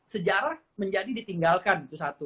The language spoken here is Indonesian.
sejarah menjadi ditinggalkan itu satu